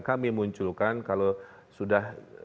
kami munculkan kalau sudah